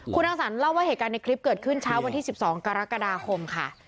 คุณอังสรรเล่าว่าเหตุการณ์ในคลิปเกิดขึ้นเช้าวันที่๑๒กรกฎาคมค่ะ